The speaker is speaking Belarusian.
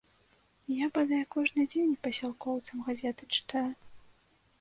Я бадай кожны дзень пасялкоўцам газеты чытаю.